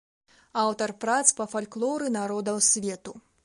Аўтар прац па фальклоры народаў свету.